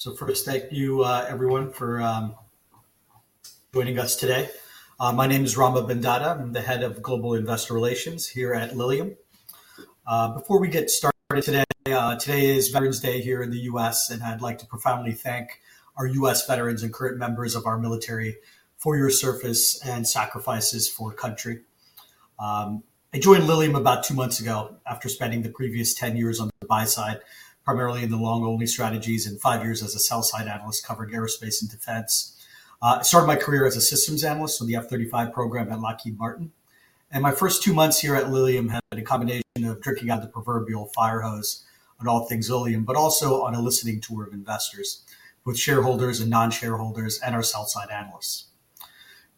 So first, thank you, everyone, for joining us today. My name is Rama Bondada. I'm the Head of Global Investor Relations here at Lilium. Before we get started today, today is Veterans Day here in the U.S., and I'd like to profoundly thank our U.S. veterans and current members of our military for your service and sacrifices for the country. I joined Lilium about two months ago after spending the previous 10 years on the buy side, primarily in the long-only strategies, and five years as a sell-side analyst covering aerospace and defense. I started my career as a systems analyst on the F-35 program at Lockheed Martin, and my first two months here at Lilium have been a combination of drinking out of the proverbial fire hose on all things Lilium, but also on a listening tour of investors, with shareholders and non-shareholders, and our sell-side analysts.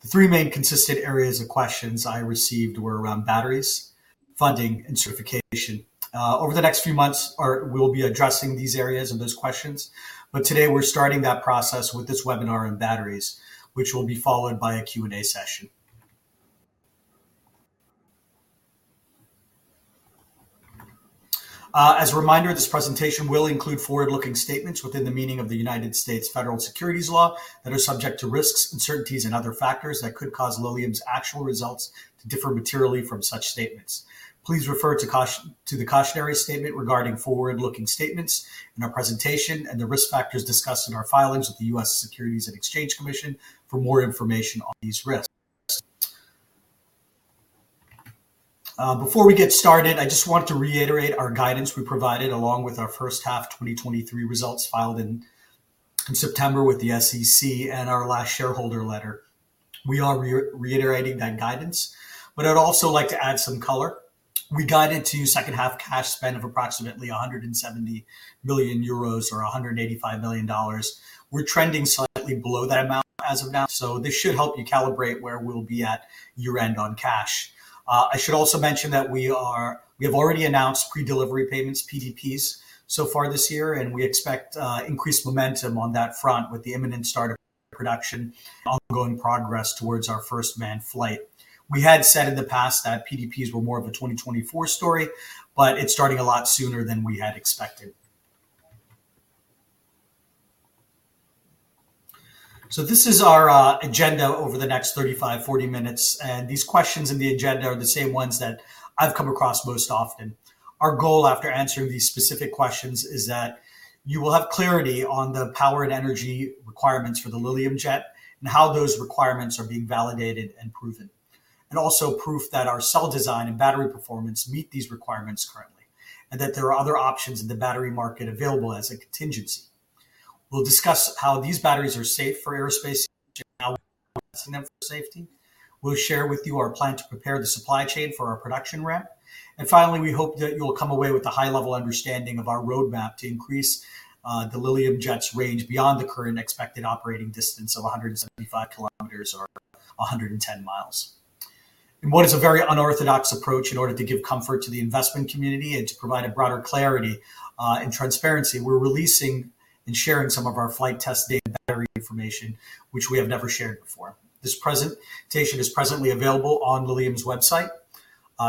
The three main consistent areas of questions I received were around batteries, funding, and certification. Over the next few months, we'll be addressing these areas and those questions, but today we're starting that process with this webinar on batteries, which will be followed by a Q&A session. As a reminder, this presentation will include forward-looking statements within the meaning of the United States federal securities law that are subject to risks, uncertainties, and other factors that could cause Lilium's actual results to differ materially from such statements. Please refer to the cautionary statement regarding forward-looking statements in our presentation and the risk factors discussed in our filings with the U.S. Securities and Exchange Commission for more information on these risks. Before we get started, I just want to reiterate our guidance we provided, along with our first half 2023 results filed in September with the SEC and our last shareholder letter. We are reiterating that guidance, but I'd also like to add some color. We guided to second half cash spend of approximately 170 million euros or $185 million. We're trending slightly below that amount as of now, so this should help you calibrate where we'll be at year-end on cash. I should also mention that we have already announced pre-delivery payments, PDPs, so far this year, and we expect increased momentum on that front with the imminent start of production and ongoing progress towards our first manned flight. We had said in the past that PDPs were more of a 2024 story, but it's starting a lot sooner than we had expected. So this is our agenda over the next 35, 40 minutes, and these questions in the agenda are the same ones that I've come across most often. Our goal, after answering these specific questions, is that you will have clarity on the power and energy requirements for the Lilium Jet and how those requirements are being validated and proven, and also proof that our cell design and battery performance meet these requirements currently, and that there are other options in the battery market available as a contingency. We'll discuss how these batteries are safe for aerospace and how we're assessing them for safety. We'll share with you our plan to prepare the supply chain for our production ramp. And finally, we hope that you'll come away with a high level understanding of our roadmap to increase the Lilium Jet's range beyond the current expected operating distance of 175 kilometers or 110 miles. In what is a very unorthodox approach, in order to give comfort to the investment community and to provide a broader clarity, and transparency, we're releasing and sharing some of our flight test data and battery information, which we have never shared before. This presentation is presently available on Lilium's website.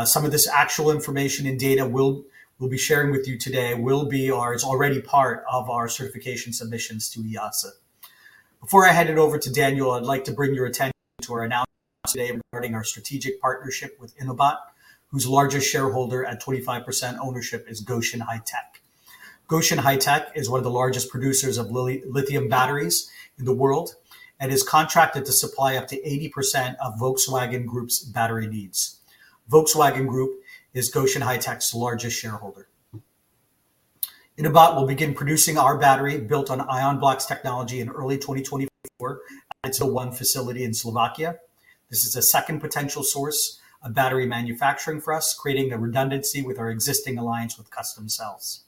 Some of this actual information and data we'll, we'll be sharing with you today will be our-- is already part of our certification submissions to EASA. Before I hand it over to Daniel, I'd like to bring your attention to our announcement today regarding our strategic partnership with InoBat, whose largest shareholder at 25% ownership is Gotion High-tech. Gotion High-tech is one of the largest producers of lithium batteries in the world and is contracted to supply up to 80% of Volkswagen Group's battery needs. Volkswagen Group is Gotion High-tech's largest shareholder. InoBat will begin producing our battery, built on Ionblox technology, in early 2024 at its Voderady facility in Slovakia. This is a second potential source of battery manufacturing for us, creating a redundancy with our existing alliance with Customcells.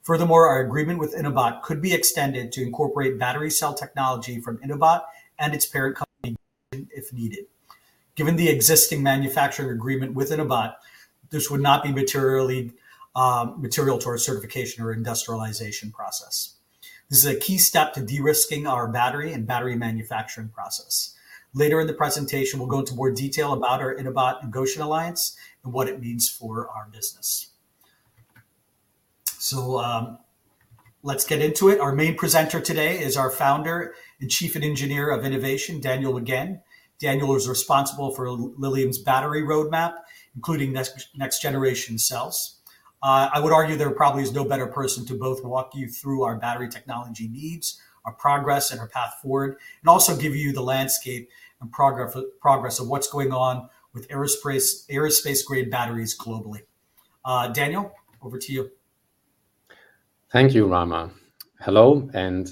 Furthermore, our agreement with InoBat could be extended to incorporate battery cell technology from InoBat and its parent company, if needed. Given the existing manufacturing agreement with InoBat, this would not be materially material to our certification or industrialization process. This is a key step to de-risking our battery and battery manufacturing process. Later in the presentation, we'll go into more detail about our InoBat and Gotion alliance and what it means for our business. So, let's get into it. Our main presenter today is our founder and Chief Engineer of Innovation, Daniel Wiegand. Daniel is responsible for Lilium's battery roadmap, including next-generation cells. I would argue there probably is no better person to both walk you through our battery technology needs, our progress, and our path forward, and also give you the landscape and progress of what's going on with aerospace-grade batteries globally. Daniel, over to you. Thank you, Rama. Hello, and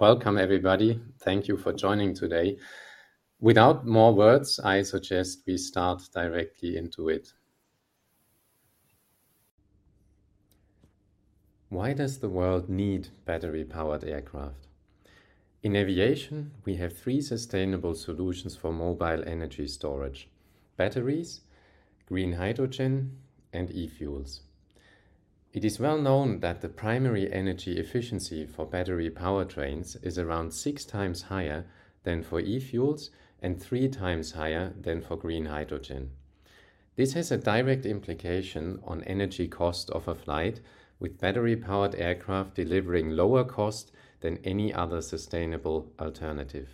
welcome, everybody. Thank you for joining today. Without more words, I suggest we start directly into it. Why does the world need battery-powered aircraft? In aviation, we have three sustainable solutions for mobile energy storage: batteries, green hydrogen, and e-fuels. It is well known that the primary energy efficiency for battery powertrains is around 6x higher than for e-fuels and 3x higher than for green hydrogen. This has a direct implication on energy cost of a flight, with battery-powered aircraft delivering lower cost than any other sustainable alternative.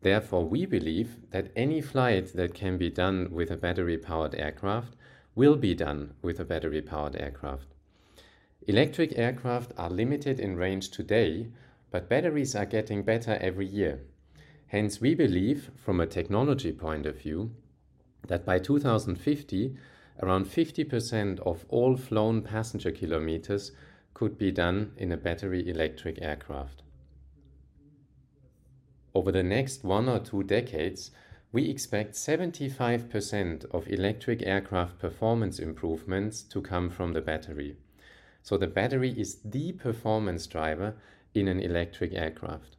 Therefore, we believe that any flight that can be done with a battery-powered aircraft will be done with a battery-powered aircraft. Electric aircraft are limited in range today, but batteries are getting better every year. Hence, we believe, from a technology point of view, that by 2050, around 50% of all flown passenger kilometers could be done in a battery electric aircraft. Over the next one or two decades, we expect 75% of electric aircraft performance improvements to come from the battery. So the battery is the performance driver in an electric aircraft.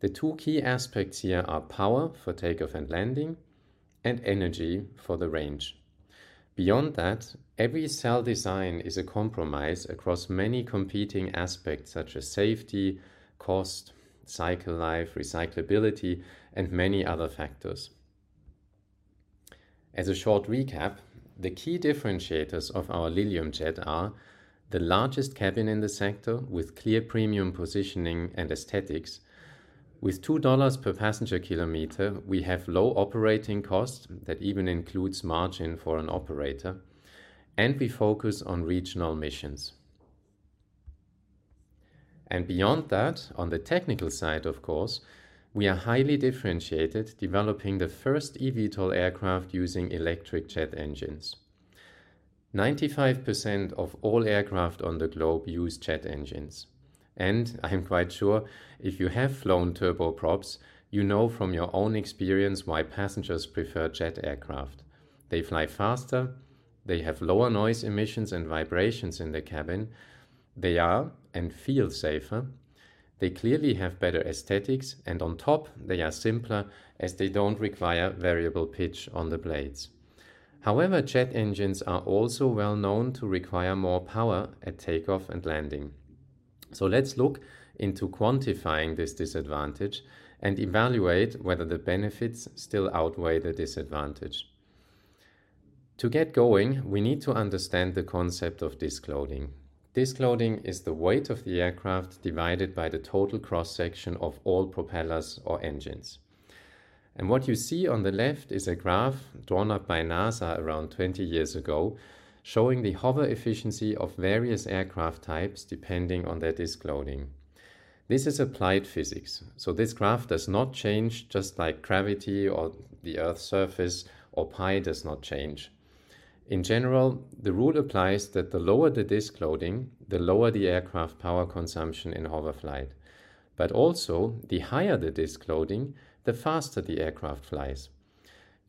The two key aspects here are power for takeoff and landing, and energy for the range. Beyond that, every cell design is a compromise across many competing aspects such as safety, cost, cycle life, recyclability, and many other factors. As a short recap, the key differentiators of our Lilium Jet are the largest cabin in the sector with clear premium positioning and aesthetics. With $2 per passenger kilometer, we have low operating costs that even includes margin for an operator, and we focus on regional missions. And beyond that, on the technical side, of course, we are highly differentiated, developing the first eVTOL aircraft using electric jet engines. 95% of all aircraft on the globe use jet engines, and I am quite sure if you have flown turboprops, you know from your own experience why passengers prefer jet aircraft. They fly faster, they have lower noise emissions and vibrations in the cabin, they are and feel safer, they clearly have better aesthetics, and on top, they are simpler, as they don't require variable pitch on the blades. However, jet engines are also well known to require more power at takeoff and landing. So let's look into quantifying this disadvantage and evaluate whether the benefits still outweigh the disadvantage. To get going, we need to understand the concept of disk loading. Disk loading is the weight of the aircraft divided by the total cross-section of all propellers or engines. What you see on the left is a graph drawn up by NASA around 20 years ago, showing the hover efficiency of various aircraft types depending on their disk loading. This is applied physics, so this graph does not change, just like gravity or the Earth's surface or pi does not change. In general, the rule applies that the lower the disk loading, the lower the aircraft power consumption in hover flight. Also, the higher the disk loading, the faster the aircraft flies.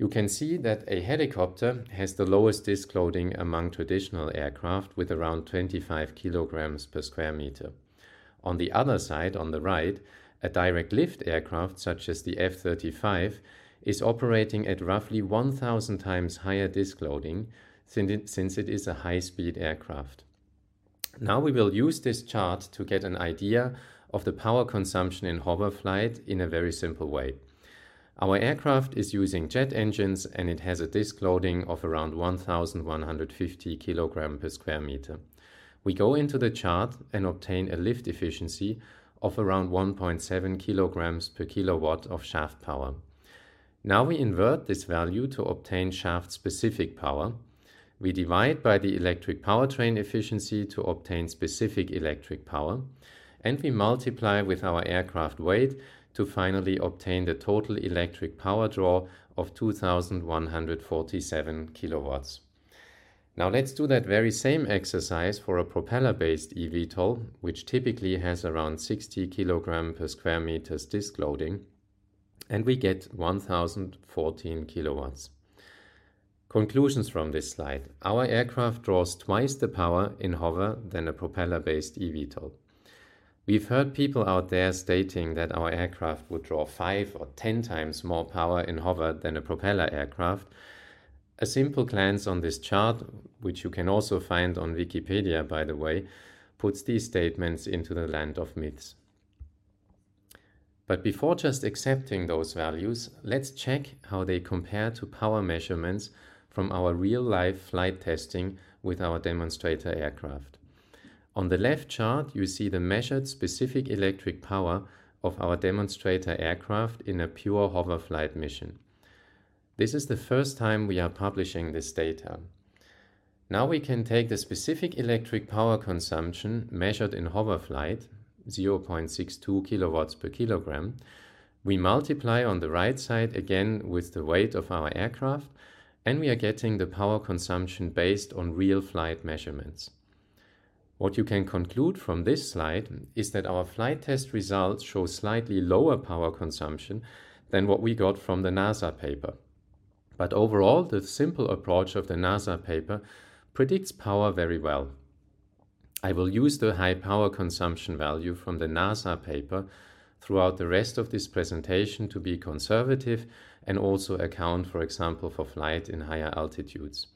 You can see that a helicopter has the lowest disk loading among traditional aircraft with around 25 kg/m². On the other side, on the right, a direct lift aircraft, such as the F-35, is operating at roughly 1,000 times higher disk loading, since it is a high-speed aircraft. Now, we will use this chart to get an idea of the power consumption in hover flight in a very simple way. Our aircraft is using jet engines, and it has a disk loading of around 1,150 kg/m². We go into the chart and obtain a lift efficiency of around 1.7 kg/kW of shaft power. Now, we invert this value to obtain shaft-specific power. We divide by the electric powertrain efficiency to obtain specific electric power, and we multiply by our aircraft weight to finally obtain the total electric power draw of 2,147 kW. Now, let's do that very same exercise for a propeller-based eVTOL, which typically has around 60 kg/m² disk loading, and we get 1014 kW. Conclusions from this slide: Our aircraft draws twice the power in hover than a propeller-based eVTOL. We've heard people out there stating that our aircraft would draw 5x or 10x more power in hover than a propeller aircraft. A simple glance on this chart, which you can also find on Wikipedia, by the way, puts these statements into the land of myths. But before just accepting those values, let's check how they compare to power measurements from our real-life flight testing with our demonstrator aircraft. On the left chart, you see the measured specific electric power of our demonstrator aircraft in a pure hover flight mission. This is the first time we are publishing this data. Now, we can take the specific electric power consumption measured in hover flight, 0.62 kW/kg. We multiply on the right side again with the weight of our aircraft, and we are getting the power consumption based on real flight measurements. What you can conclude from this slide is that our flight test results show slightly lower power consumption than what we got from the NASA paper. But overall, the simple approach of the NASA paper predicts power very well. I will use the high power consumption value from the NASA paper throughout the rest of this presentation to be conservative and also account, for example, for flight in higher altitudes.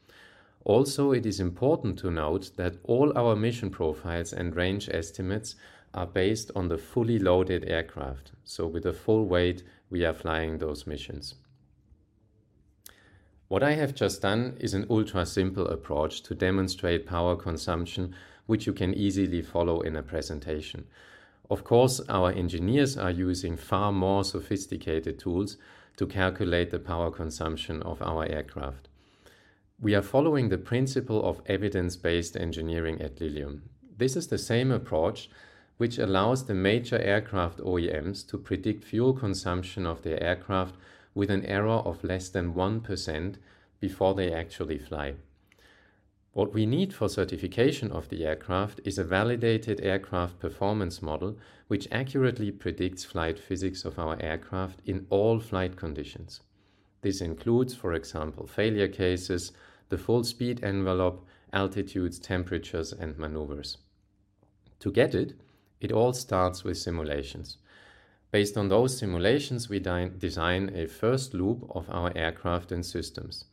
Also, it is important to note that all our mission profiles and range estimates are based on the fully loaded aircraft, so with the full weight, we are flying those missions. What I have just done is an ultra-simple approach to demonstrate power consumption, which you can easily follow in a presentation. Of course, our engineers are using far more sophisticated tools to calculate the power consumption of our aircraft. We are following the principle of evidence-based engineering at Lilium. This is the same approach which allows the major aircraft OEMs to predict fuel consumption of their aircraft with an error of less than 1% before they actually fly. What we need for certification of the aircraft is a validated aircraft performance model, which accurately predicts flight physics of our aircraft in all flight conditions. This includes, for example, failure cases, the full speed envelope, altitudes, temperatures, and maneuvers. To get it, it all starts with simulations. Based on those simulations, we design a first loop of our aircraft and systems.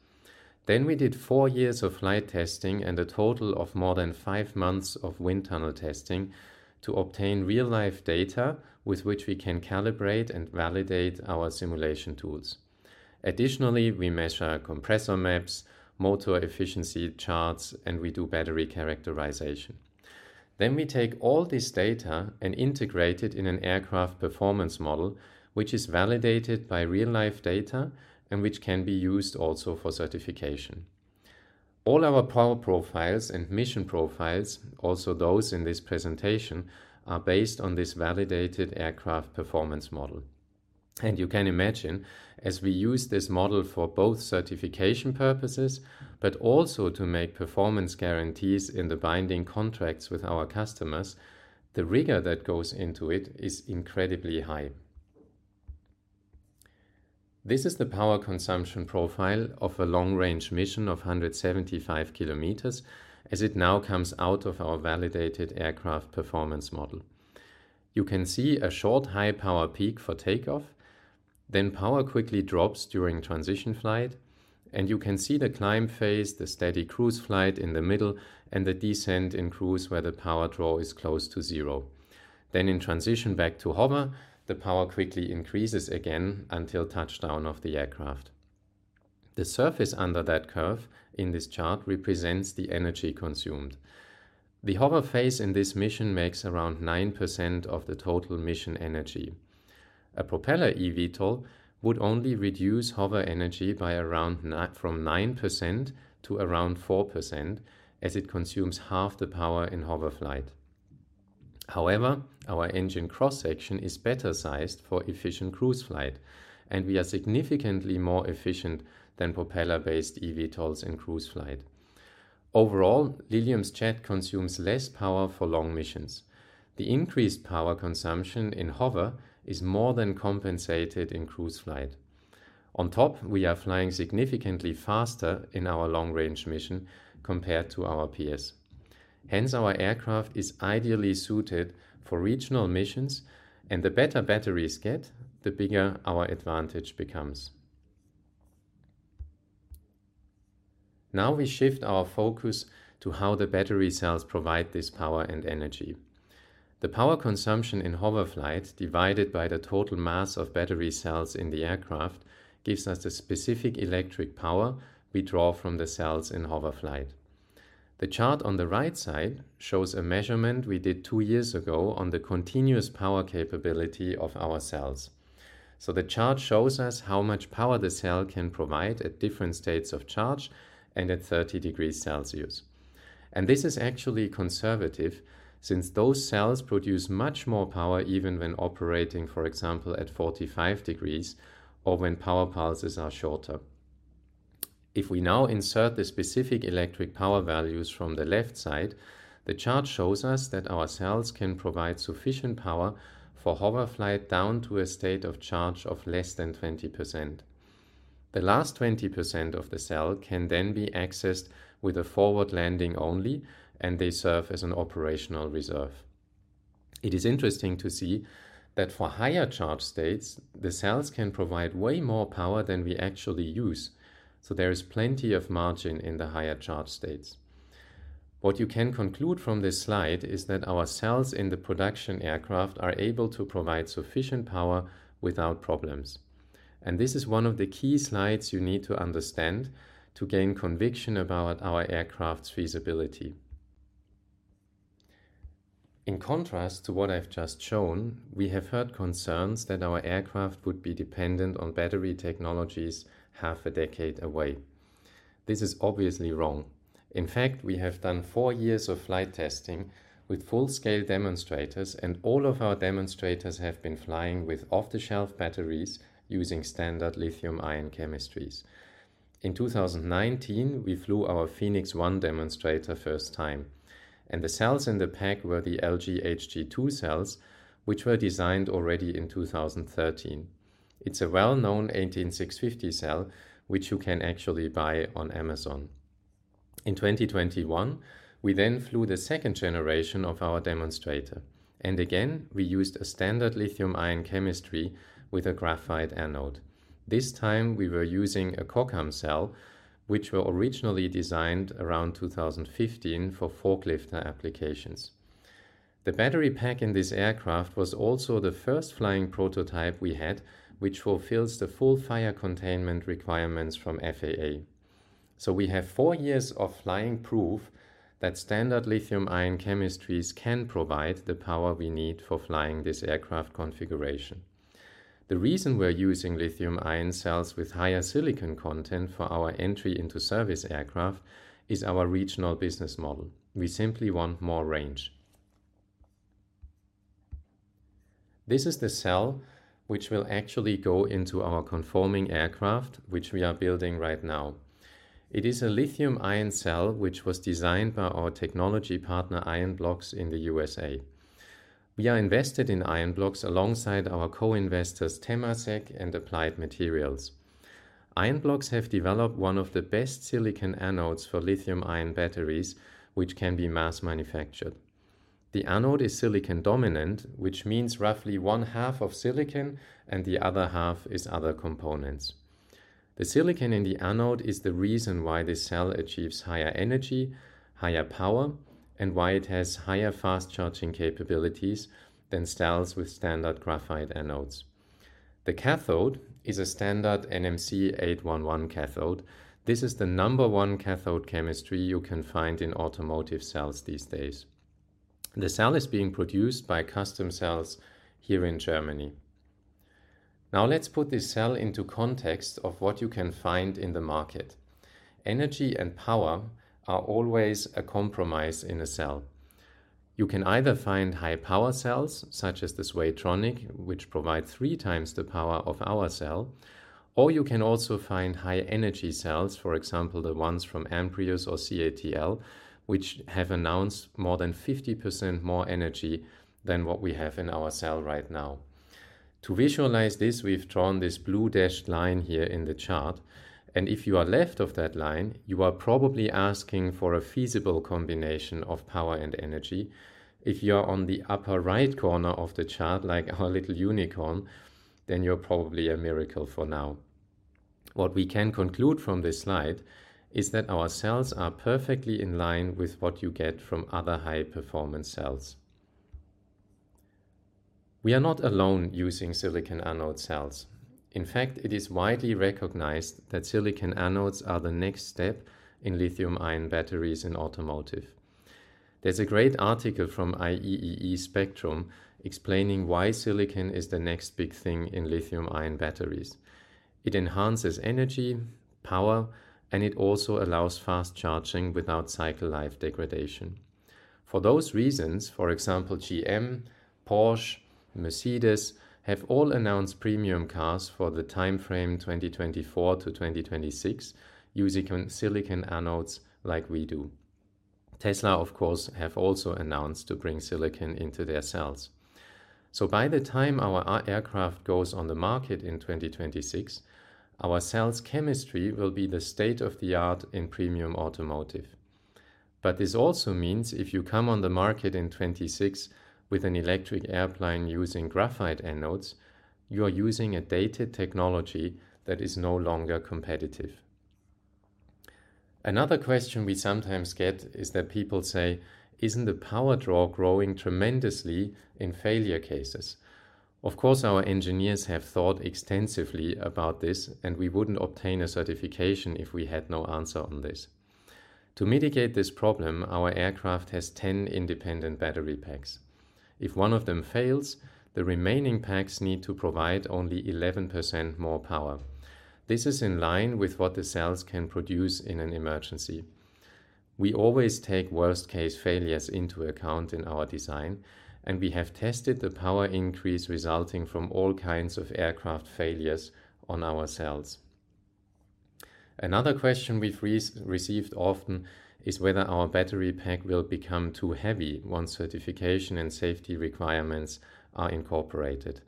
Then we did four years of flight testing and a total of more than five months of wind tunnel testing to obtain real-life data with which we can calibrate and validate our simulation tools. Additionally, we measure compressor maps, motor efficiency charts, and we do battery characterization. Then we take all this data and integrate it in an aircraft performance model, which is validated by real-life data and which can be used also for certification. All our power profiles and mission profiles, also those in this presentation, are based on this validated aircraft performance model. You can imagine, as we use this model for both certification purposes, but also to make performance guarantees in the binding contracts with our customers, the rigor that goes into it is incredibly high. This is the power consumption profile of a long-range mission of 175 km, as it now comes out of our validated aircraft performance model. You can see a short, high power peak for takeoff, then power quickly drops during transition flight, and you can see the climb phase, the steady cruise flight in the middle, and the descent in cruise, where the power draw is close to zero. Then in transition back to hover, the power quickly increases again until touchdown of the aircraft. The surface under that curve in this chart represents the energy consumed. The hover phase in this mission makes around 9% of the total mission energy. A propeller eVTOL would only reduce hover energy by around from 9% to around 4%, as it consumes half the power in hover flight. However, our engine cross-section is better sized for efficient cruise flight, and we are significantly more efficient than propeller-based eVTOLs in cruise flight. Overall, Lilium's Jet consumes less power for long missions. The increased power consumption in hover is more than compensated in cruise flight. On top, we are flying significantly faster in our long-range mission compared to our peers. Hence, our aircraft is ideally suited for regional missions, and the better batteries get, the bigger our advantage becomes. Now we shift our focus to how the battery cells provide this power and energy. The power consumption in hover flight, divided by the total mass of battery cells in the aircraft, gives us the specific electric power we draw from the cells in hover flight. The chart on the right side shows a measurement we did two years ago on the continuous power capability of our cells. The chart shows us how much power the cell can provide at different states of charge and at 30 degrees Celsius. This is actually conservative, since those cells produce much more power, even when operating, for example, at 45 degrees or when power pulses are shorter. If we now insert the specific electric power values from the left side, the chart shows us that our cells can provide sufficient power for hover flight down to a state of charge of less than 20%. The last 20% of the cell can then be accessed with a forward landing only, and they serve as an operational reserve. It is interesting to see that for higher charge states, the cells can provide way more power than we actually use, so there is plenty of margin in the higher charge states. What you can conclude from this slide is that our cells in the production aircraft are able to provide sufficient power without problems, and this is one of the key slides you need to understand to gain conviction about our aircraft's feasibility. In contrast to what I've just shown, we have heard concerns that our aircraft would be dependent on battery technologies half a decade away. This is obviously wrong. In fact, we have done four years of flight testing with full-scale demonstrators, and all of our demonstrators have been flying with off-the-shelf batteries using standard lithium-ion chemistries. In 2019, we flew our Phoenix 1 demonstrator first time, and the cells in the pack were the LG HG2 cells, which were designed already in 2013. It's a well-known 18650 cell, which you can actually buy on Amazon. In 2021, we then flew the second generation of our demonstrator, and again, we used a standard lithium-ion chemistry with a graphite anode. This time, we were using a Kokam cell., which were originally designed around 2015 for forklift applications. The battery pack in this aircraft was also the first flying prototype we had, which fulfills the full fire containment requirements from FAA. So we have four years of flying proof that standard lithium-ion chemistries can provide the power we need for flying this aircraft configuration. The reason we are using lithium-ion cells with higher silicon content for our entry into service aircraft is our regional business model. We simply want more range. This is the cell which will actually go into our conforming aircraft, which we are building right now. It is a lithium-ion cell, which was designed by our technology partner, Ionblox, in the USA. We are invested in Ionblox alongside our co-investors, Temasek and Applied Materials. Ionblox has developed one of the best silicon anodes for lithium-ion batteries, which can be mass-manufactured. The anode is silicon-dominant, which means roughly one half of silicon and the other half is other components. The silicon in the anode is the reason why this cell achieves higher energy, higher power, and why it has higher fast charging capabilities than cells with standard graphite anodes. The cathode is a standard NMC 811 cathode. This is the number one cathode chemistry you can find in automotive cells these days. The cell is being produced by Customcells here in Germany. Now, let's put this cell into context of what you can find in the market. Energy and power are always a compromise in a cell. You can either find high-power cells, such as the Swaytronic, which provide 3x the power of our cell, or you can also find high-energy cells, for example, the ones from Amprius or CATL, which have announced more than 50% more energy than what we have in our cell right now. To visualize this, we've drawn this blue dashed line here in the chart, and if you are left of that line, you are probably asking for a feasible combination of power and energy. If you are on the upper right corner of the chart, like our little unicorn, then you're probably a miracle for now. What we can conclude from this slide is that our cells are perfectly in line with what you get from other high-performance cells. We are not alone using silicon anode cells. In fact, it is widely recognized that silicon anodes are the next step in lithium-ion batteries in automotive. There's a great article from IEEE Spectrum explaining why silicon is the next big thing in lithium-ion batteries. It enhances energy, power, and it also allows fast charging without cycle life degradation. For those reasons, for example, GM, Porsche, Mercedes, have all announced premium cars for the timeframe 2024-2026 using silicon anodes like we do. Tesla, of course, have also announced to bring silicon into their cells. So by the time our, our aircraft goes on the market in 2026, our cells chemistry will be the state of the art in premium automotive. But this also means if you come on the market in 2026 with an electric airplane using graphite anodes, you are using a dated technology that is no longer competitive. Another question we sometimes get is that people say: Isn't the power draw growing tremendously in failure cases? Of course, our engineers have thought extensively about this, and we wouldn't obtain a certification if we had no answer on this. To mitigate this problem, our aircraft has 10 independent battery packs. If one of them fails, the remaining packs need to provide only 11% more power. This is in line with what the cells can produce in an emergency. We always take worst-case failures into account in our design, and we have tested the power increase resulting from all kinds of aircraft failures on our cells. Another question we've received often is whether our battery pack will become too heavy once certification and safety requirements are incorporated.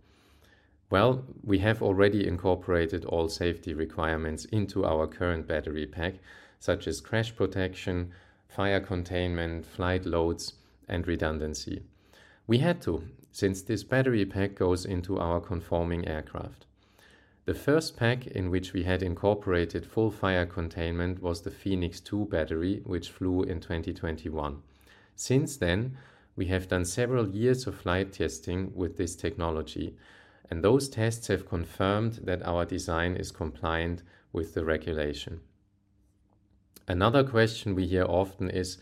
Well, we have already incorporated all safety requirements into our current battery pack, such as crash protection, fire containment, flight loads, and redundancy. We had to, since this battery pack goes into our conforming aircraft. The first pack in which we had incorporated full fire containment was the Phoenix 2 battery, which flew in 2021. Since then, we have done several years of flight testing with this technology, and those tests have confirmed that our design is compliant with the regulation. Another question we hear often is,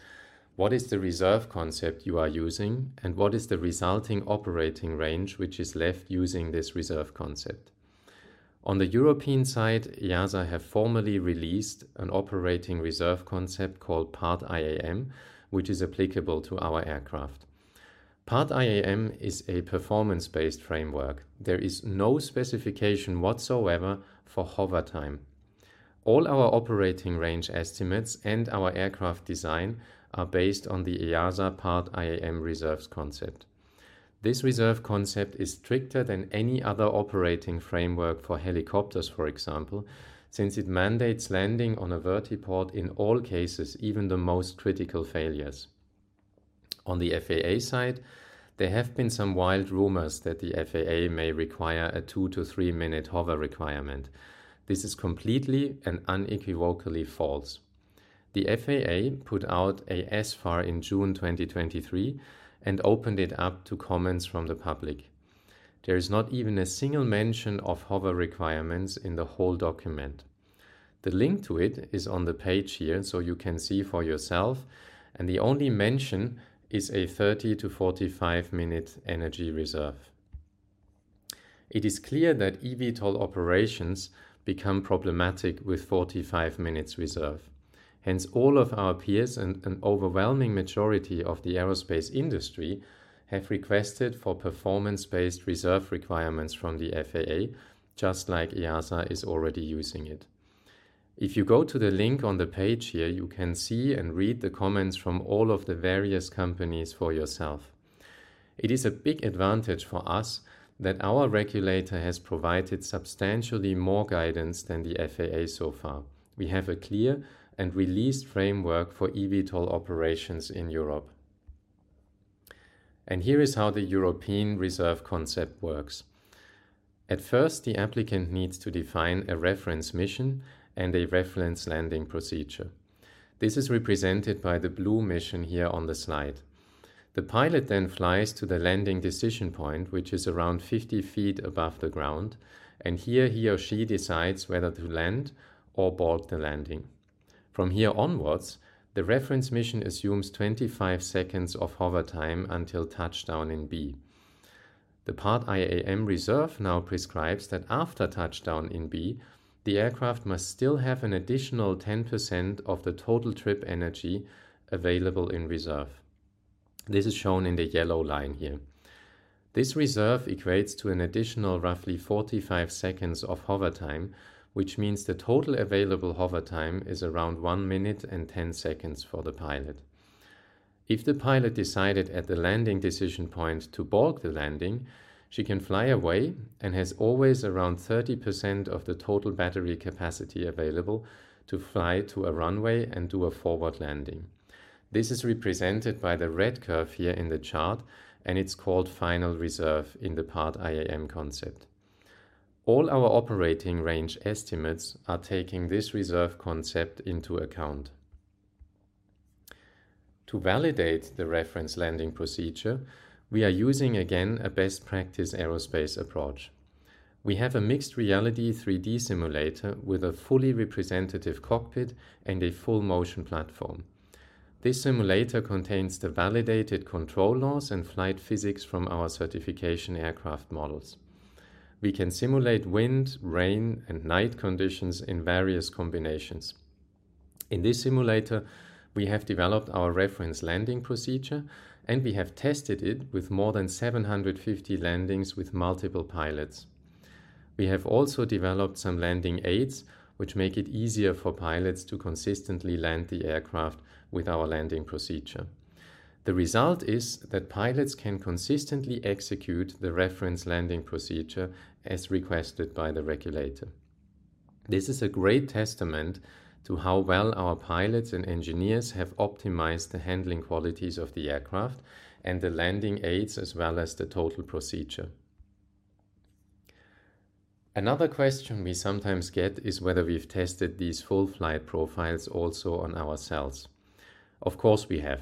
what is the reserve concept you are using, and what is the resulting operating range, which is left using this reserve concept? On the European side, EASA have formally released an operating reserve concept called Part-IAM, which is applicable to our aircraft. Part-IAM is a performance-based framework. There is no specification whatsoever for hover time. All our operating range estimates and our aircraft design are based on the EASA Part-IAM reserves concept. This reserve concept is stricter than any other operating framework for helicopters, for example, since it mandates landing on a vertiport in all cases, even the most critical failures. On the FAA side, there have been some wild rumors that the FAA may require a two to three minute hover requirement. This is completely and unequivocally false. The FAA put out a SFAR in June 2023, and opened it up to comments from the public. There is not even a single mention of hover requirements in the whole document. The link to it is on the page here, so you can see for yourself, and the only mention is a 30-45 minute energy reserve. It is clear that eVTOL operations become problematic with 45 minutes reserve. Hence, all of our peers and an overwhelming majority of the aerospace industry have requested for performance-based reserve requirements from the FAA, just like EASA is already using it. If you go to the link on the page here, you can see and read the comments from all of the various companies for yourself. It is a big advantage for us that our regulator has provided substantially more guidance than the FAA so far. We have a clear and released framework for eVTOL operations in Europe. Here is how the European reserve concept works. At first, the applicant needs to define a reference mission and a reference landing procedure. This is represented by the blue mission here on the slide. The pilot then flies to the landing decision point, which is around 50 feet above the ground, and here he or she decides whether to land or abort the landing. From here onwards, the reference mission assumes 25 seconds of hover time until touchdown in B. The Part-IAM reserve now prescribes that after touchdown in B, the aircraft must still have an additional 10% of the total trip energy available in reserve. This is shown in the yellow line here. This reserve equates to an additional roughly 45 seconds of hover time, which means the total available hover time is around one minute and 10 seconds for the pilot. If the pilot decided at the landing decision point to abort the landing, she can fly away and has always around 30% of the total battery capacity available to fly to a runway and do a forward landing. This is represented by the red curve here in the chart, and it's called final reserve in the Part-IAM concept. All our operating range estimates are taking this reserve concept into account. To validate the reference landing procedure, we are using, again, a best practice aerospace approach. We have a mixed reality 3D simulator with a fully representative cockpit and a full motion platform. This simulator contains the validated control laws and flight physics from our certification aircraft models. We can simulate wind, rain, and night conditions in various combinations. In this simulator, we have developed our reference landing procedure, and we have tested it with more than 750 landings with multiple pilots. We have also developed some landing aids, which make it easier for pilots to consistently land the aircraft with our landing procedure. The result is that pilots can consistently execute the reference landing procedure as requested by the regulator. This is a great testament to how well our pilots and engineers have optimized the handling qualities of the aircraft and the landing aids, as well as the total procedure. Another question we sometimes get is whether we've tested these full flight profiles also on our cells. Of course, we have.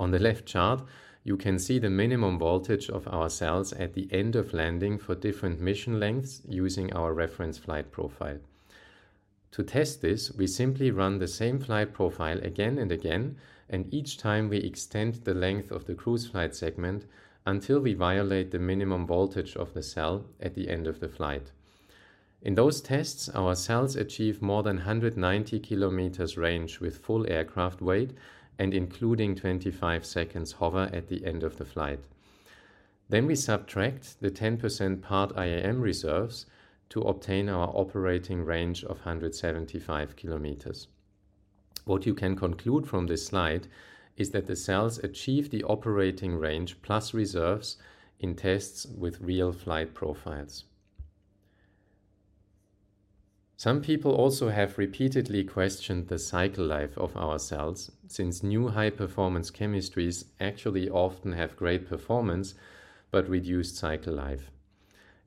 On the left chart, you can see the minimum voltage of our cells at the end of landing for different mission lengths using our reference flight profile. To test this, we simply run the same flight profile again and again, and each time we extend the length of the cruise flight segment until we violate the minimum voltage of the cell at the end of the flight. In those tests, our cells achieve more than 190 km range with full aircraft weight and including 25 seconds hover at the end of the flight. Then we subtract the 10% Part-IAM reserves to obtain our operating range of 175 km. What you can conclude from this slide is that the cells achieve the operating range plus reserves in tests with real flight profiles. Some people also have repeatedly questioned the cycle life of our cells, since new high-performance chemistries actually often have great performance, but reduced cycle life.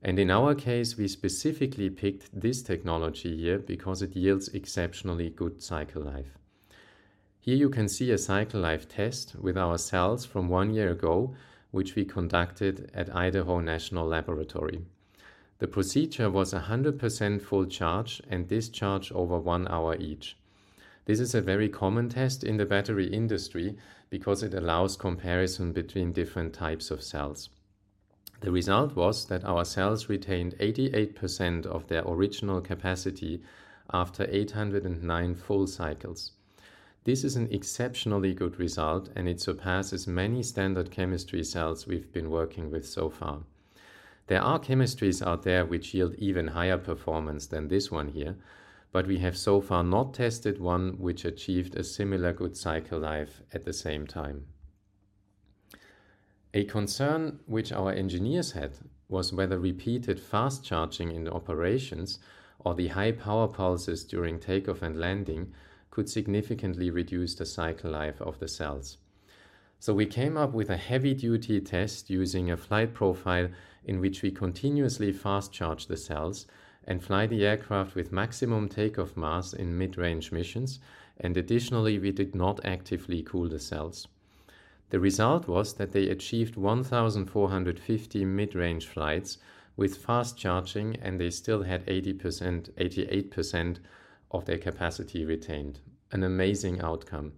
And in our case, we specifically picked this technology here because it yields exceptionally good cycle life. Here you can see a cycle life test with our cells from one year ago, which we conducted at Idaho National Laboratory. The procedure was a 100% full charge and discharge over one hour each. This is a very common test in the battery industry because it allows comparison between different types of cells. The result was that our cells retained 88% of their original capacity after 809 full cycles. This is an exceptionally good result, and it surpasses many standard chemistry cells we've been working with so far. There are chemistries out there which yield even higher performance than this one here, but we have so far not tested one which achieved a similar good cycle life at the same time. A concern which our engineers had was whether repeated fast charging in the operations or the high power pulses during takeoff and landing could significantly reduce the cycle life of the cells. So we came up with a heavy-duty test using a flight profile in which we continuously fast-charge the cells and fly the aircraft with maximum take-off mass in mid-range missions, and additionally, we did not actively cool the cells. The result was that they achieved 1,450 mid-range flights with fast charging, and they still had 80%, 88% of their capacity retained. An amazing outcome.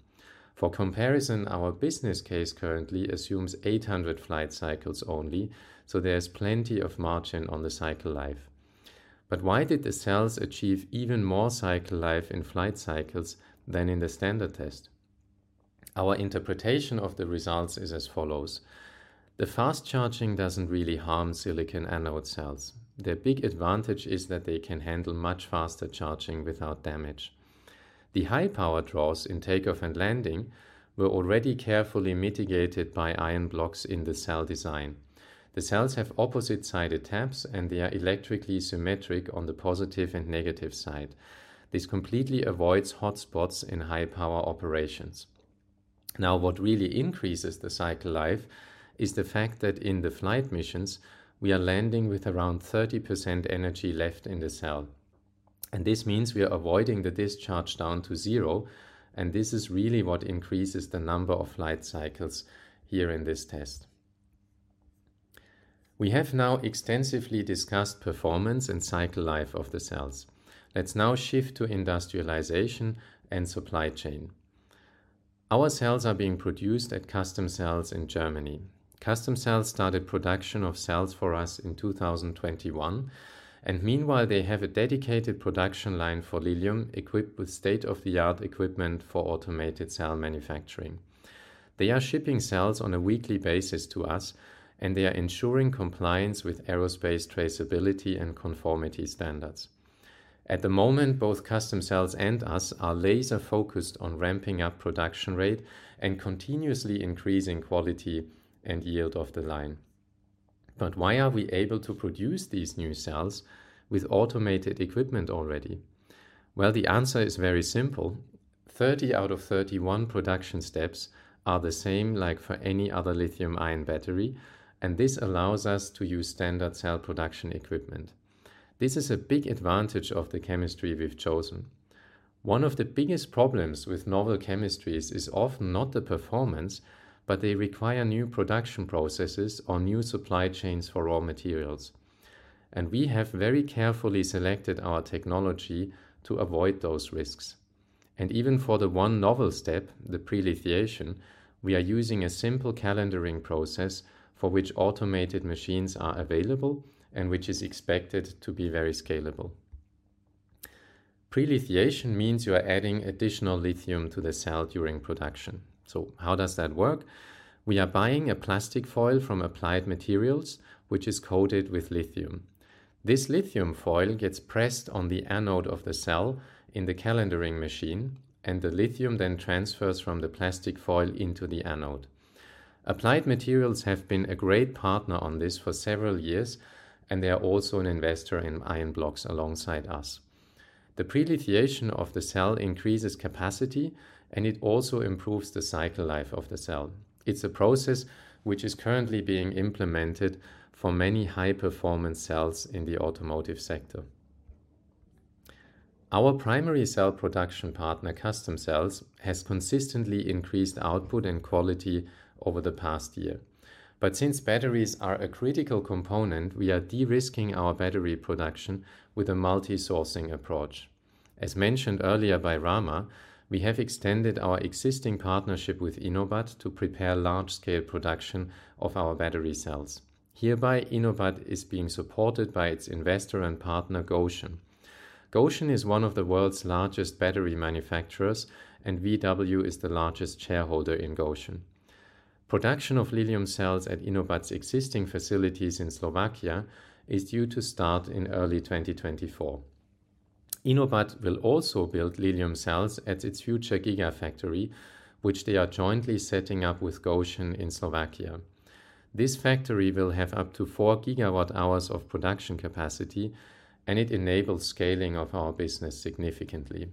For comparison, our business case currently assumes 800 flight cycles only, so there's plenty of margin on the cycle life. But why did the cells achieve even more cycle life in flight cycles than in the standard test? Our interpretation of the results is as follows: The fast charging doesn't really harm silicon anode cells. Their big advantage is that they can handle much faster charging without damage. The high power draws in take-off and landing were already carefully mitigated by Ionblox in the cell design. The cells have opposite-sided tabs, and they are electrically symmetric on the positive and negative side. This completely avoids hotspots in high-power operations. Now, what really increases the cycle life is the fact that in the flight missions, we are landing with around 30% energy left in the cell, and this means we are avoiding the discharge down to zero, and this is really what increases the number of flight cycles here in this test. We have now extensively discussed performance and cycle life of the cells. Let's now shift to industrialization and supply chain. Our cells are being produced at Customcells in Germany. Customcells started production of cells for us in 2021, and meanwhile, they have a dedicated production line for Lilium, equipped with state-of-the-art equipment for automated cell manufacturing. They are shipping cells on a weekly basis to us, and they are ensuring compliance with aerospace traceability and conformity standards. At the moment, both Customcells and us are laser-focused on ramping up production rate and continuously increasing quality and yield of the line. But why are we able to produce these new cells with automated equipment already? Well, the answer is very simple. 30 out of 31 production steps are the same, like for any other lithium-ion battery, and this allows us to use standard cell production equipment. This is a big advantage of the chemistry we've chosen. One of the biggest problems with novel chemistries is often not the performance, but they require new production processes or new supply chains for raw materials, and we have very carefully selected our technology to avoid those risks. Even for the one novel step, the pre-lithiation, we are using a simple calendering process for which automated machines are available and which is expected to be very scalable. Pre-lithiation means you are adding additional lithium to the cell during production. So how does that work? We are buying a plastic foil from Applied Materials, which is coated with lithium. This lithium foil gets pressed on the anode of the cell in the calendering machine, and the lithium then transfers from the plastic foil into the anode. Applied Materials have been a great partner on this for several years, and they are also an investor in Ionblox alongside us. The pre-lithiation of the cell increases capacity, and it also improves the cycle life of the cell. It's a process which is currently being implemented for many high-performance cells in the automotive sector. Our primary cell production partner, Customcells, has consistently increased output and quality over the past year. But since batteries are a critical component, we are de-risking our battery production with a multi-sourcing approach. As mentioned earlier by Rama, we have extended our existing partnership with InoBat to prepare large-scale production of our battery cells. Hereby, InoBat is being supported by its investor and partner, Gotion. Gotion is one of the world's largest battery manufacturers, and VW is the largest shareholder in Gotion. Production of Lilium cells at InoBat's existing facilities in Slovakia is due to start in early 2024. InoBat will also build Lilium cells at its future gigafactory, which they are jointly setting up with Gotion in Slovakia. This factory will have up to 4 GWh of production capacity, and it enables scaling of our business significantly.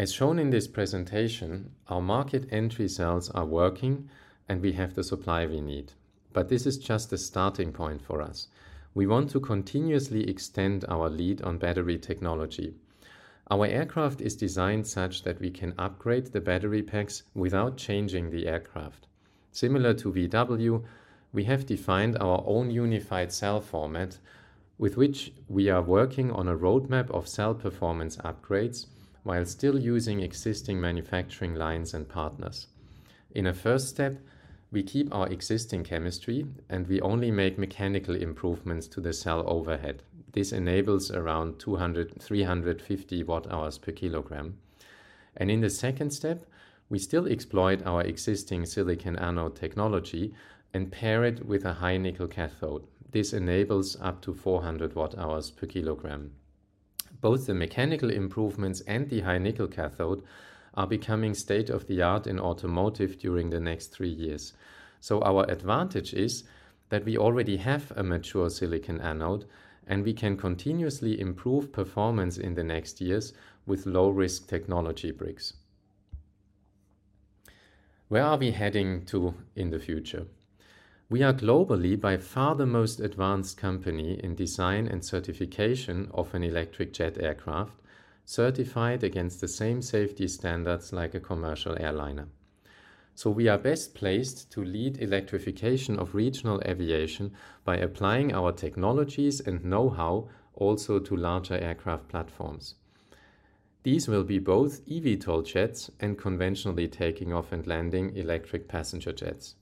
As shown in this presentation, our market entry cells are working, and we have the supply we need. But this is just the starting point for us. We want to continuously extend our lead on battery technology. Our aircraft is designed such that we can upgrade the battery packs without changing the aircraft. Similar to VW, we have defined our own unified cell format, with which we are working on a roadmap of cell performance upgrades while still using existing manufacturing lines and partners. In a first step, we keep our existing chemistry, and we only make mechanical improvements to the cell overhead. This enables around 200-350 Wh/kg. In the second step, we still exploit our existing silicon anode technology and pair it with a high-nickel cathode. This enables up to 400 Wh/kg. Both the mechanical improvements and the high-nickel cathode are becoming state-of-the-art in automotive during the next three years. Our advantage is that we already have a mature silicon anode, and we can continuously improve performance in the next years with low-risk technology bricks. Where are we heading to in the future? We are globally by far the most advanced company in design and certification of an electric jet aircraft, certified against the same safety standards like a commercial airliner. We are best placed to lead electrification of regional aviation by applying our technologies and know-how also to larger aircraft platforms. These will be both eVTOL jets and conventionally taking off and landing electric passenger jets.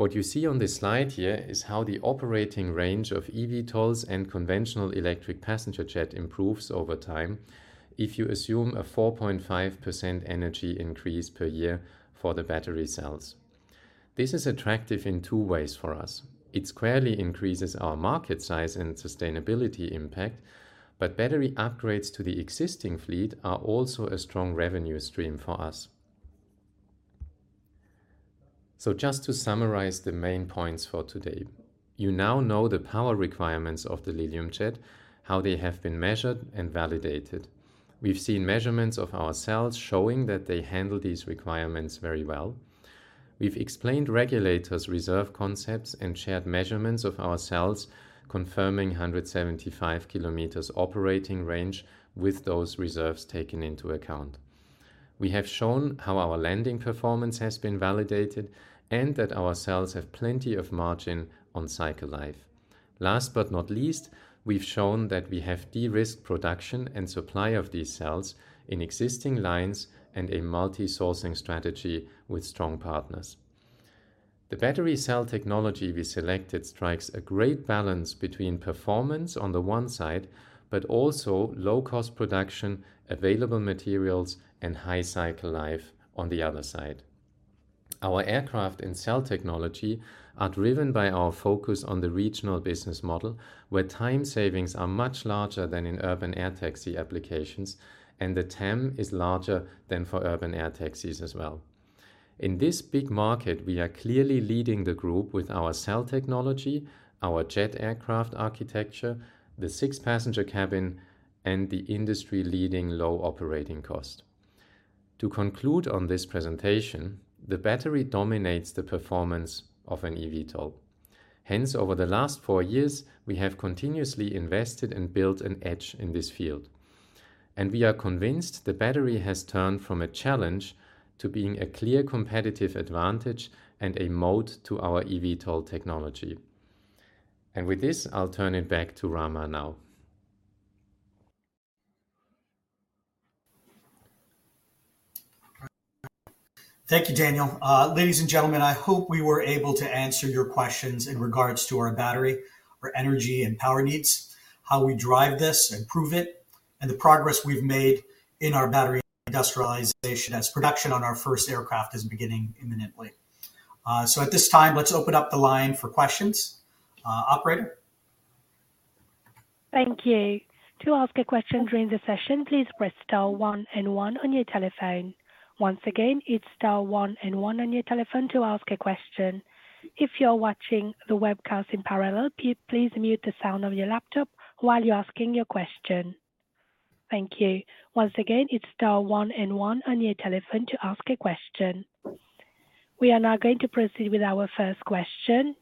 What you see on this slide here is how the operating range of eVTOLs and conventional electric passenger jet improves over time if you assume a 4.5% energy increase per year for the battery cells. This is attractive in two ways for us. It squarely increases our market size and sustainability impact, but battery upgrades to the existing fleet are also a strong revenue stream for us. So just to summarize the main points for today, you now know the power requirements of the Lilium Jet, how they have been measured and validated. We've seen measurements of our cells showing that they handle these requirements very well. We've explained regulator's reserve concepts and shared measurements of our cells, confirming 175 kilometers operating range with those reserves taken into account. We have shown how our landing performance has been validated and that our cells have plenty of margin on cycle life. Last but not least, we've shown that we have de-risked production and supply of these cells in existing lines and a multi-sourcing strategy with strong partners. The battery cell technology we selected strikes a great balance between performance on the one side, but also low cost production, available materials, and high cycle life on the other side. Our aircraft and cell technology are driven by our focus on the regional business model, where time savings are much larger than in urban air taxi applications, and the TAM is larger than for urban air taxis as well. In this big market, we are clearly leading the group with our cell technology, our jet aircraft architecture, the six-passenger cabin, and the industry-leading low operating cost. To conclude on this presentation, the battery dominates the performance of an eVTOL. Hence, over the last four years, we have continuously invested and built an edge in this field, and we are convinced the battery has turned from a challenge to being a clear competitive advantage and a moat to our eVTOL technology. With this, I'll turn it back to Rama now. Thank you, Daniel. Ladies and gentlemen, I hope we were able to answer your questions in regards to our battery, our energy and power needs, how we drive this, improve it, and the progress we've made in our battery industrialization as production on our first aircraft is beginning imminently. So at this time, let's open up the line for questions. Operator? Thank you. To ask a question during the session, please press star one and one on your telephone. Once again, it's star one and one on your telephone to ask a question. If you're watching the webcast in parallel, please mute the sound of your laptop while you're asking your question. Thank you. Once again, it's star one and one on your telephone to ask a question. We are now going to proceed with our first question.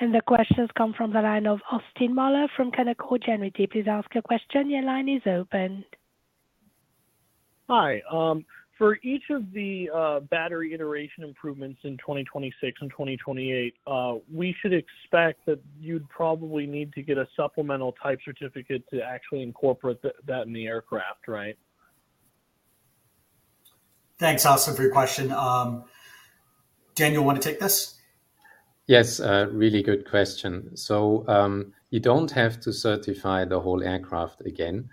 The question comes from the line of Austin Moeller from Canaccord Genuity. Please ask your question. Your line is open. Hi. For each of the battery iteration improvements in 2026 and 2028, we should expect that you'd probably need to get a supplemental type certificate to actually incorporate that in the aircraft, right? Thanks, Austin, for your question. Daniel, you want to take this? Yes, a really good question. So, you don't have to certify the whole aircraft again,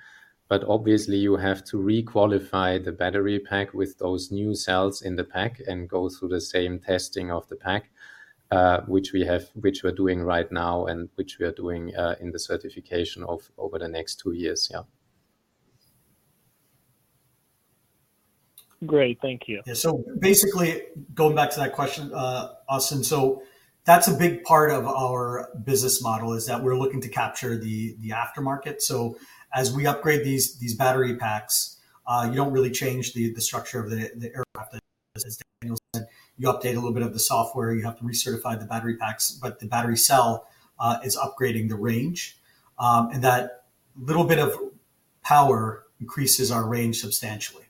but obviously you have to re-qualify the battery pack with those new cells in the pack and go through the same testing of the pack, which we're doing right now, and which we are doing in the certification of over the next two years. Yeah. Great. Thank you. Yeah. So basically, going back to that question, Austin, so that's a big part of our business model, is that we're looking to capture the, the aftermarket. So as we upgrade these, these battery packs, you don't really change the, the structure of the, the aircraft, as, as Daniel said. You update a little bit of the software. You have to recertify the battery packs, but the battery cell is upgrading the range, and that little bit of power increases our range substantially.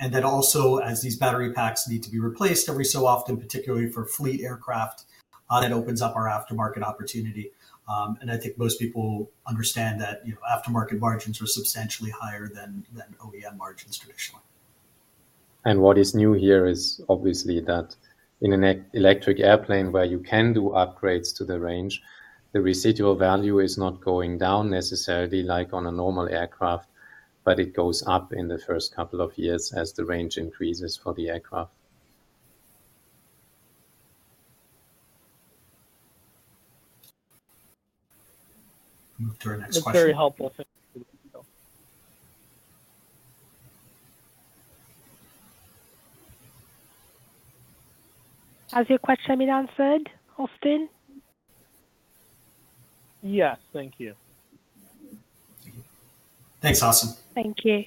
And then also, as these battery packs need to be replaced every so often, particularly for fleet aircraft, it opens up our aftermarket opportunity. And I think most people understand that, you know, aftermarket margins are substantially higher than, than OEM margins traditionally. What is new here is obviously that in an electric airplane where you can do upgrades to the range, the residual value is not going down necessarily like on a normal aircraft, but it goes up in the first couple of years as the range increases for the aircraft. Move to our next question. That's very helpful. Thank you, Daniel. Has your question been answered, Austin? Yes. Thank you. Thanks, Austin. Thank you.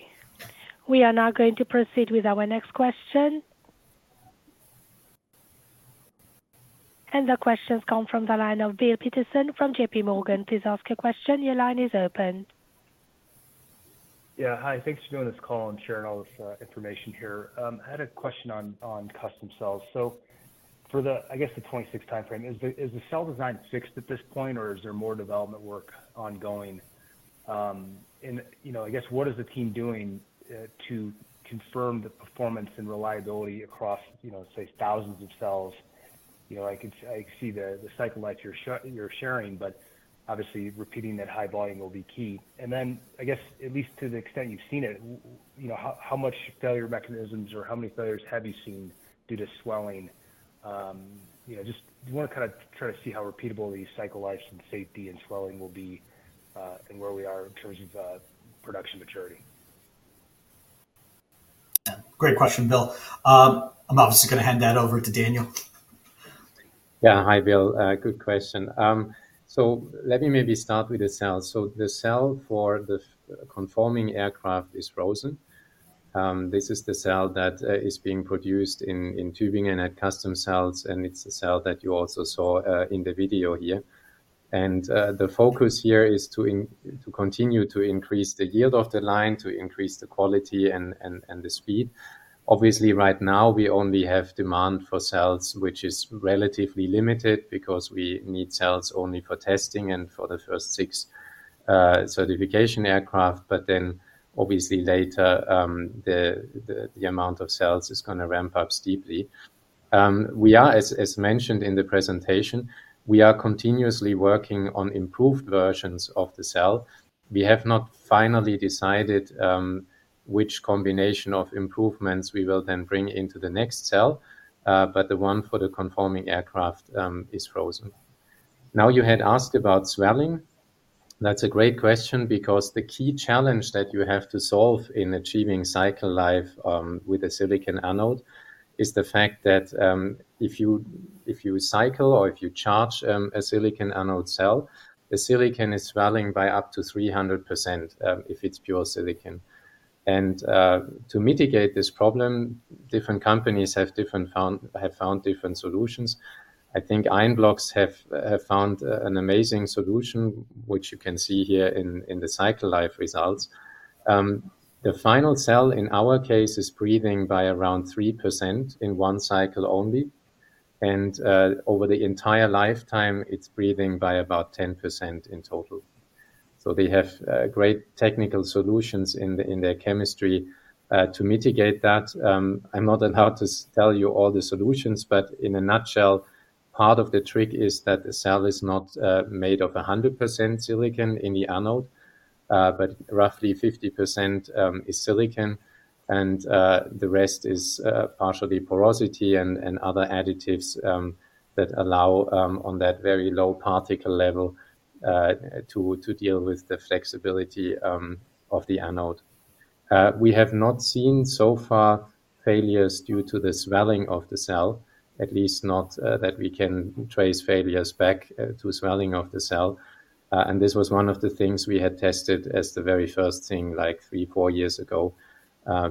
We are now going to proceed with our next question. The question comes from the line of Bill Peterson from JPMorgan. Please ask your question. Your line is open. Yeah. Hi, thanks for doing this call and sharing all this information here. I had a question on Customcells. So for the, I guess, the 2026 timeframe, is the cell design fixed at this point, or is there more development work ongoing? And, you know, I guess what is the team doing to confirm the performance and reliability across, you know, say, thousands of cells? You know, I could see the cycle life you're sharing, but obviously repeating that high volume will be key. And then, I guess, at least to the extent you've seen it, you know, how much failure mechanisms or how many failures have you seen due to swelling? You know, just wanna kind of try to see how repeatable the cycle life and safety and swelling will be, and where we are in terms of production maturity. Yeah. Great question, Bill. I'm obviously gonna hand that over to Daniel. Yeah. Hi, Bill. Good question. So let me maybe start with the cell. So the cell for the conforming aircraft is frozen. This is the cell that is being produced in Tübingen and at Customcells, and it's the cell that you also saw in the video here. And the focus here is to continue to increase the yield of the line, to increase the quality and the speed. Obviously, right now, we only have demand for cells, which is relatively limited because we need cells only for testing and for the first six certification aircraft, but then obviously later, the amount of cells is gonna ramp up steeply. We are, as mentioned in the presentation, continuously working on improved versions of the cell. We have not finally decided, which combination of improvements we will then bring into the next cell, but the one for the conforming aircraft, is frozen. Now, you had asked about swelling. That's a great question because the key challenge that you have to solve in achieving cycle life, with a silicon anode, is the fact that, if you, if you cycle or if you charge, a silicon anode cell, the silicon is swelling by up to 300%, if it's pure silicon. And, to mitigate this problem, different companies have different have found different solutions. I think Ionblox have, have found, an amazing solution, which you can see here in, in the cycle life results. The final cell, in our case, is breathing by around 3% in one cycle only, and over the entire lifetime, it's breathing by about 10% in total. So they have great technical solutions in their chemistry to mitigate that. I'm not allowed to tell you all the solutions, but in a nutshell, part of the trick is that the cell is not made of 100% silicon in the anode, but roughly 50% is silicon, and the rest is partially porosity and other additives that allow, on that very low particle level, to deal with the flexibility of the anode. We have not seen so far failures due to the swelling of the cell, at least not, that we can trace failures back, to swelling of the cell. And this was one of the things we had tested as the very first thing, like three to four years ago,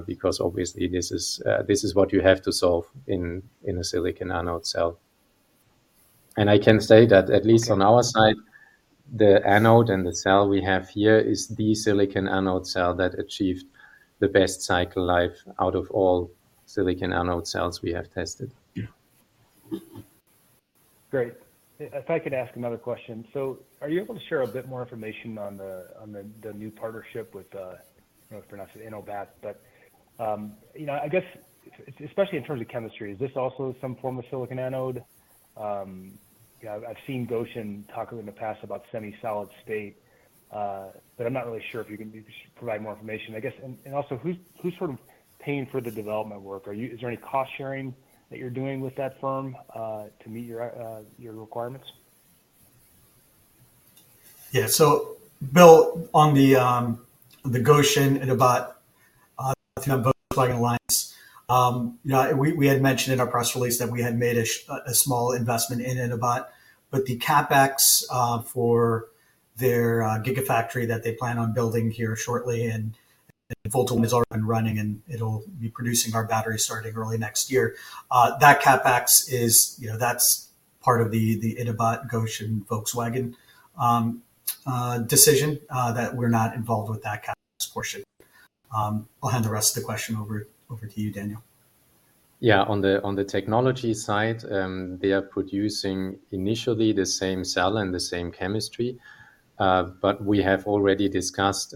because obviously this is, this is what you have to solve in, in a silicon anode cell. And I can say that at least on our side, the anode and the cell we have here is the silicon anode cell that achieved the best cycle life out of all silicon anode cells we have tested. Yeah. Great. If I could ask another question. So are you able to share a bit more information on the new partnership with, I don't know how to pronounce it, InoBat? But, you know, I guess, especially in terms of chemistry, is this also some form of silicon anode? You know, I've seen Gotion talk in the past about semi-solid state, but I'm not really sure if you can just provide more information, I guess. And, also, who's sort of paying for the development work? Is there any cost sharing that you're doing with that firm to meet your requirements? Yeah. So Bill, on the Gotion InoBat, you know, Volkswagen alliance, you know, we had mentioned in our press release that we had made a small investment in InoBat, but the CapEx for their gigafactory that they plan on building here shortly and once full tooling is up and running, and it'll be producing our batteries starting early next year. That CapEx is, you know, that's part of the InoBat, Gotion, Volkswagen decision that we're not involved with that CapEx portion. I'll hand the rest of the question over to you, Daniel. Yeah. On the technology side, they are producing initially the same cell and the same chemistry, but we have already discussed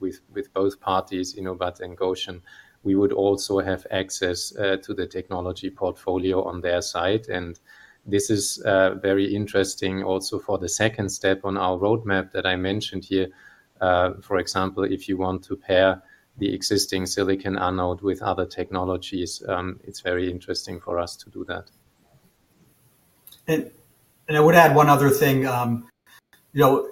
with both parties, InoBat and Gotion, we would also have access to the technology portfolio on their side. And this is very interesting also for the second step on our roadmap that I mentioned here. For example, if you want to pair the existing silicon anode with other technologies, it's very interesting for us to do that.... And I would add one other thing, you know,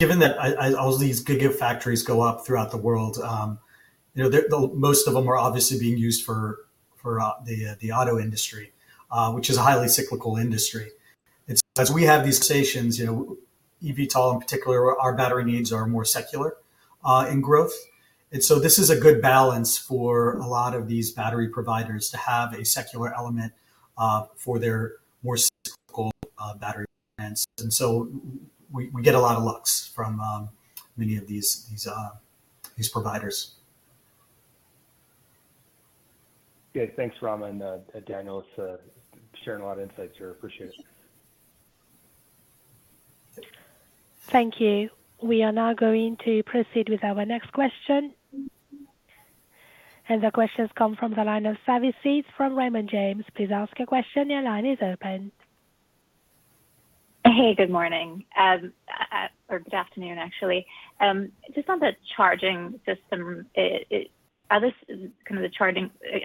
given that all these gigafactories go up throughout the world, you know, they're the most of them are obviously being used for the auto industry, which is a highly cyclical industry. And so as we have these stations, you know, eVTOL, in particular, our battery needs are more secular in growth. And so this is a good balance for a lot of these battery providers to have a secular element for their more cyclical battery demands. And so we get a lot of looks from many of these providers. Okay. Thanks, Rama and Daniel. So sharing a lot of insights here. Appreciate it. Thank you. We are now going to proceed with our next question. The question's come from the line of Savi Syth from Raymond James. Please ask your question. Your line is open. Hey, good morning. Or good afternoon, actually. Just on the charging system, I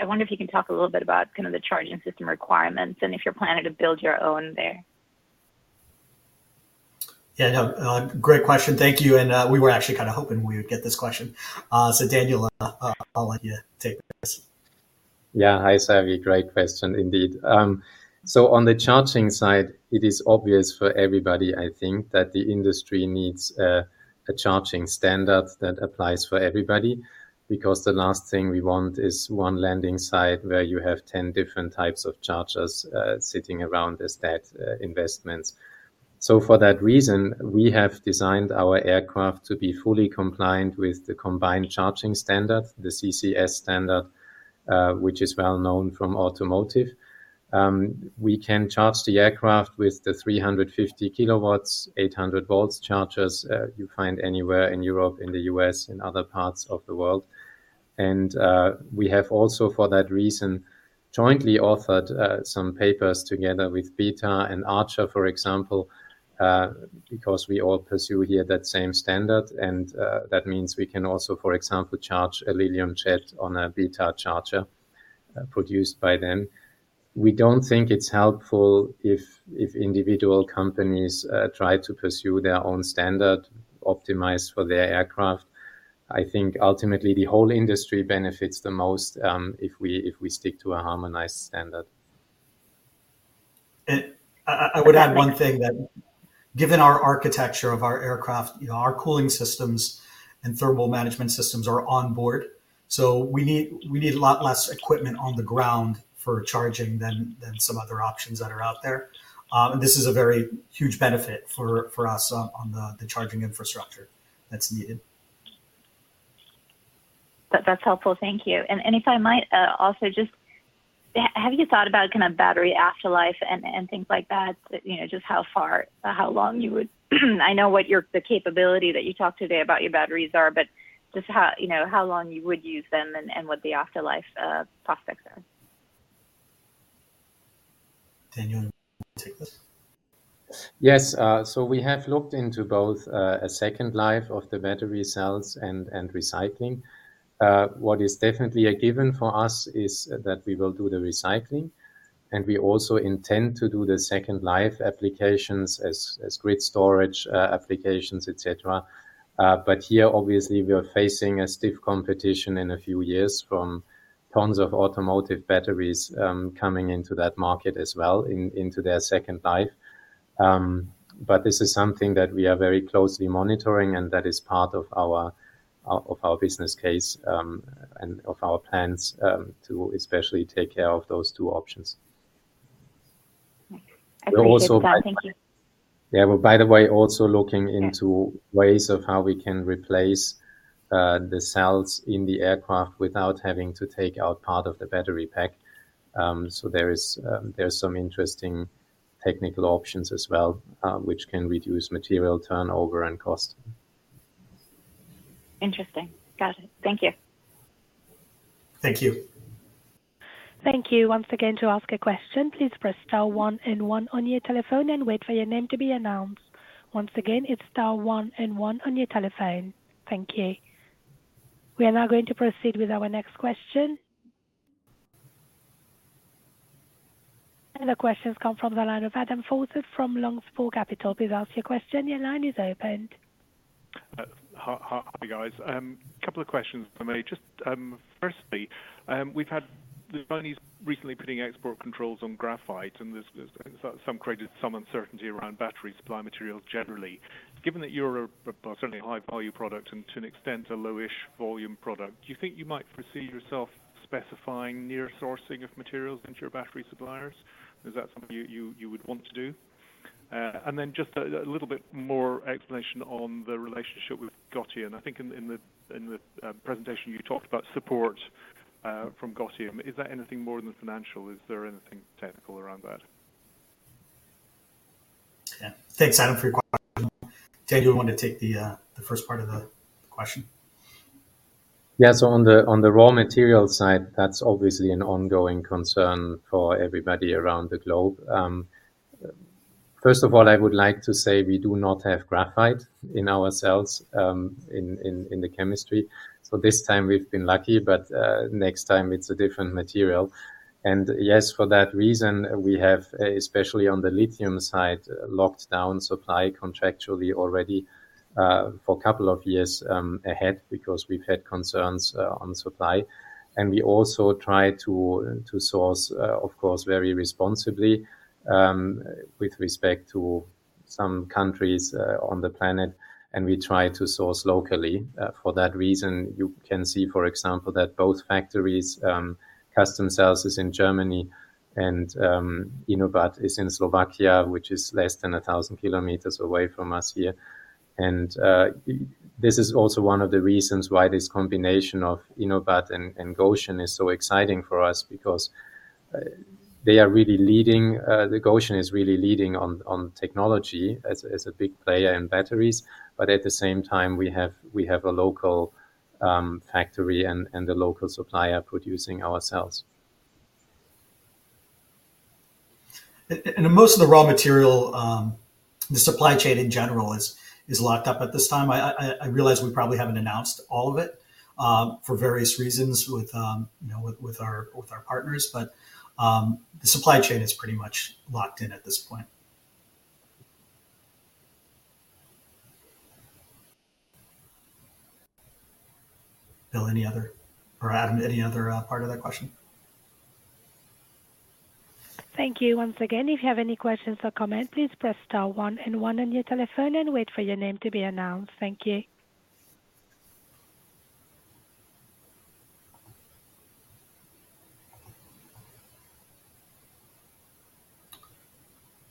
wonder if you can talk a little bit about kind of the charging system requirements and if you're planning to build your own there? Yeah, no, great question. Thank you, and, we were actually kind of hoping we would get this question. So Daniel, I'll let you take this. Yeah. Hi, Savi. Great question indeed. So on the charging side, it is obvious for everybody, I think, that the industry needs a charging standard that applies for everybody, because the last thing we want is one landing site where you have 10 different types of chargers sitting around as that investments. So for that reason, we have designed our aircraft to be fully compliant with the combined charging standard, the CCS standard, which is well known from automotive. We can charge the aircraft with the 350 kW, 800 V chargers you find anywhere in Europe, in the U.S., and other parts of the world. And we have also, for that reason, jointly authored some papers together with Beta and Archer, for example, because we all pursue here that same standard. That means we can also, for example, charge a Lilium Jet on a BETA charger, produced by them. We don't think it's helpful if individual companies try to pursue their own standard optimized for their aircraft. I think ultimately the whole industry benefits the most, if we stick to a harmonized standard. I would add one thing, that given our architecture of our aircraft, you know, our cooling systems and thermal management systems are on board, so we need a lot less equipment on the ground for charging than some other options that are out there. This is a very huge benefit for us on the charging infrastructure that's needed. That, that's helpful. Thank you. And if I might, also just... have you thought about kind of battery afterlife and things like that? You know, just how far or how long you would. I know what your, the capability that you talked today about your batteries are, but just how, you know, how long you would use them and what the afterlife prospects are. Daniel, want to take this? Yes, so we have looked into both, a second life of the battery cells and recycling. What is definitely a given for us is that we will do the recycling, and we also intend to do the second life applications as grid storage applications, et cetera. But here, obviously, we are facing a stiff competition in a few years from tons of automotive batteries coming into that market as well, into their second life. But this is something that we are very closely monitoring, and that is part of our business case and of our plans to especially take care of those two options. Okay. I think it's done. We're also- Thank you. Yeah. Well, by the way, also looking into- Yeah... ways of how we can replace the cells in the aircraft without having to take out part of the battery pack. So there are some interesting technical options as well, which can reduce material turnover and cost. Interesting. Got it. Thank you. Thank you. Thank you. Once again, to ask a question, please press star one and one on your telephone and wait for your name to be announced. Once again, it's star one and one on your telephone. Thank you. We are now going to proceed with our next question. The question's come from the line of Adam Forsyth from Longspur Capital. Please ask your question. Your line is opened. Hi, hi, guys. A couple of questions for me. Just, firstly, we've had the Chinese recently putting export controls on graphite, and there's some created some uncertainty around battery supply material generally. Given that you're a, certainly a high-value product and to an extent, a lowish volume product, do you think you might foresee yourself specifying near sourcing of materials into your battery suppliers? Is that something you would want to do? And then just a little bit more explanation on the relationship with Gotion. I think in the presentation, you talked about support from Gotion. Is there anything more than financial? Is there anything technical around that? Yeah. Thanks, Adam, for your question. Daniel, you want to take the first part of the question? Yeah. So on the, on the raw material side, that's obviously an ongoing concern for everybody around the globe. First of all, I would like to say we do not have graphite in our cells, in the chemistry. So this time we've been lucky, but, next time it's a different material. And yes, for that reason, we have, especially on the lithium side, locked down supply contractually already, for a couple of years, ahead, because we've had concerns, on supply. And we also try to source, of course, very responsibly, with respect to some countries, on the planet, and we try to source locally. For that reason, you can see, for example, that both factories, Customcells is in Germany and InoBat is in Slovakia, which is less than 1,000 kilometers away from us here. This is also one of the reasons why this combination of InoBat and Gotion is so exciting for us, because they are really leading, the Gotion is really leading on technology as a big player in batteries. But at the same time, we have a local factory and a local supplier producing our cells. And most of the raw material, the supply chain in general, is locked up at this time. I realize we probably haven't announced all of it, for various reasons with, you know, with our partners, but the supply chain is pretty much locked in at this point. Bill, any other... Or Adam, any other part of that question? Thank you. Once again, if you have any questions or comments, please press star one and one on your telephone and wait for your name to be announced. Thank you.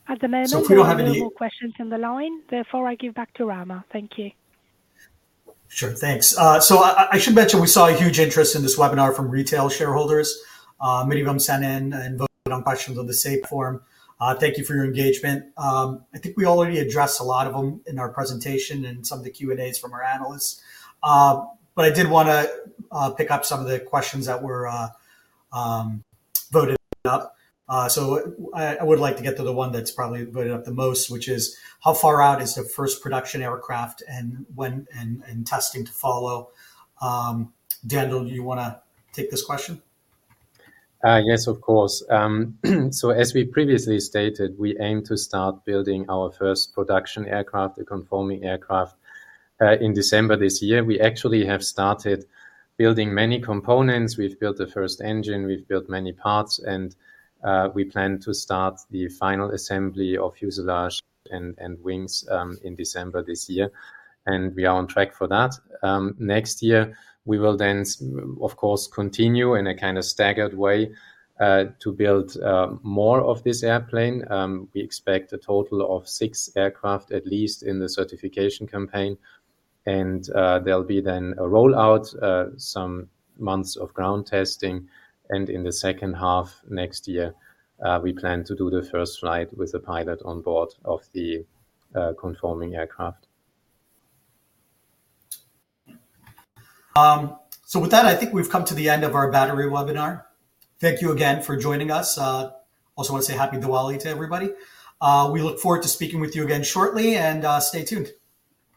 At the moment- So if you have any- We have no more questions on the line, therefore, I give back to Rama. Thank you. Sure, thanks. So I should mention we saw a huge interest in this webinar from retail shareholders. Many of them sent in and voted on questions on the Say platform. Thank you for your engagement. I think we already addressed a lot of them in our presentation and some of the Q&As from our analysts. But I did want to pick up some of the questions that were voted up. So I would like to get to the one that's probably voted up the most, which is: How far out is the first production aircraft, and when, and testing to follow? Daniel, do you wanna take this question? Yes, of course. So as we previously stated, we aim to start building our first production aircraft, the conforming aircraft, in December this year. We actually have started building many components. We've built the first engine, we've built many parts, and we plan to start the final assembly of the fuselage and wings in December this year, and we are on track for that. Next year, we will then, of course, continue in a kind of staggered way to build more of this airplane. We expect a total of six aircraft, at least in the certification campaign, and there'll be then a rollout, some months of ground testing, and in the second half, next year, we plan to do the first flight with the pilot on board of the conforming aircraft. With that, I think we've come to the end of our battery webinar. Thank you again for joining us. I also want to say Happy Diwali to everybody. We look forward to speaking with you again shortly, and stay tuned.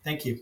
Thank you.